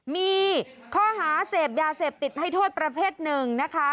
มีข้อหาเสพยาเสพติดให้โทษประเภทหนึ่งนะคะ